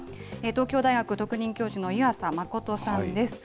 東京大学特任教授の湯浅誠さんです。